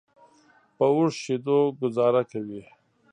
په اوښ شیدو ګوزاره کوي.